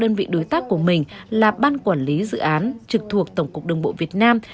đơn vị đối tác của mình là ban quản lý dự án trực thuộc tổng cục đường bộ việt nam